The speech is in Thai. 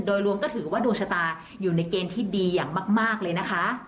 โดยรวมก็ถือว่าดวงชะตาอยู่ในเกณฑ์ที่ดีอย่างมากเลยนะคะ